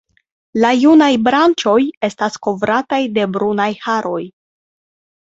La junaj branĉoj estas kovrata de brunaj haroj.